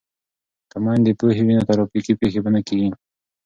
که میندې پوهې وي نو ترافیکي پیښې به نه کیږي.